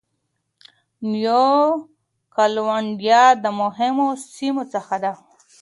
نیو کالېډونیا د مهمو سیمو څخه ده.